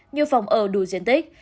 như phòng ở đủ diện tích